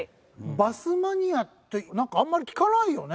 バスマニアってなんかあんまり聞かないよね